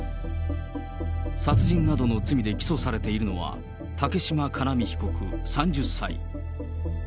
殺人などの罪で起訴されているのは、竹島叶実被告３０歳。